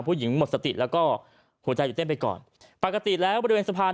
หมดสติแล้วก็หัวใจจะเต้นไปก่อนปกติแล้วบริเวณสะพาน